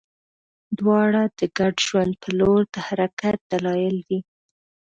دواړه د ګډ ژوند په لور د حرکت دلایل وي.